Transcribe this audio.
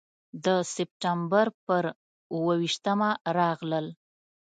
د سپټمبر پر اوه ویشتمه راغلل.